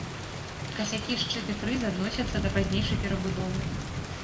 Касякі, шчыт і фрыз адносяцца да пазнейшай перабудовы.